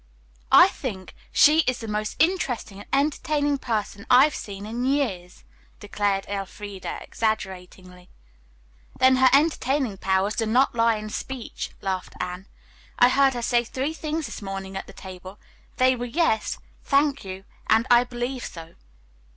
"I think she is the most interesting and entertaining person I've seen in years," declared Elfreda exaggeratingly. "Then her entertaining powers do not lie in speech," laughed Anne. "I heard her say three things this morning at the table. They were, 'yes,' 'thank you' and 'I believe so.'"